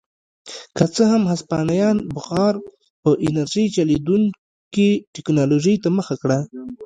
که څه هم هسپانیا بخار په انرژۍ چلېدونکې ټکنالوژۍ ته مخه کړه.